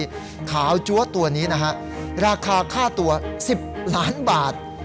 พระบัดขาวจั้วตัวนี้ราคาค่าตัว๑๐ล้านบาท